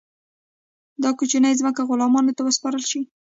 دا کوچنۍ ځمکې غلامانو ته وسپارل شوې.